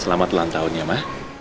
selamat ulang tahun ya mak